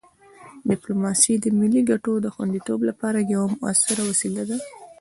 ډیپلوماسي د ملي ګټو د خوندیتوب لپاره یوه مؤثره وسیله ده.